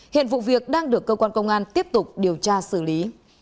hiện vụ việc đang được cơ quan công an tiếp tục điều tra xử lý